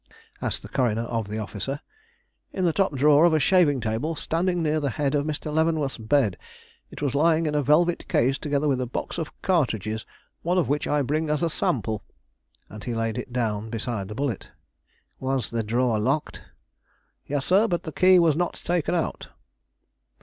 asked the coroner of the officer. "In the top drawer of a shaving table standing near the head of Mr. Leavenworth's bed. It was lying in a velvet case together with a box of cartridges, one of which I bring as a sample," and he laid it down beside the bullet. "Was the drawer locked?" "Yes, sir; but the key was not taken out."